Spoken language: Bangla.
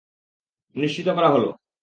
নিশ্চিত করা করা হলো।